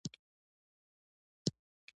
د منځنۍ طبقی خلک ډیریږي.